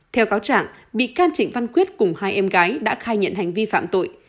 theo cáo trạng bị can trịnh văn quyết cùng hai em gái đã khai nhận hành vi phạm tội